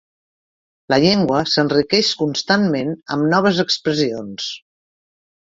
La llengua s'enriqueix constantment amb noves expressions.